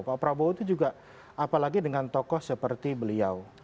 pak prabowo itu juga apalagi dengan tokoh seperti beliau